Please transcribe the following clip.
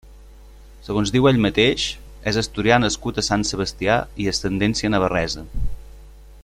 Segons diu ell mateix, és asturià nascut a Sant Sebastià i ascendència navarresa.